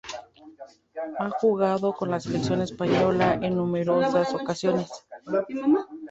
Ha jugado con la selección española en numerosas ocasiones.